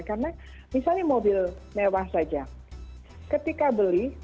karena misalnya mobil mewah saja ketika beli